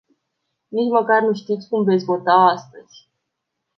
Nici măcar nu știți cum veți vota astăzi.